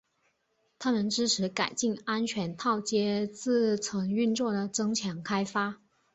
它们支持改进安全套接字层运作的增强开发。